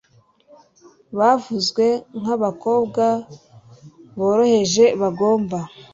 Bavuzwe nkabakobwa boroheje bagomba